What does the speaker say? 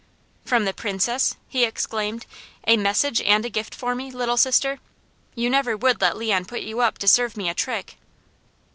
"From the Princess!" he exclaimed. "A message and a gift for me, Little Sister? You never would let Leon put you up to serve me a trick?"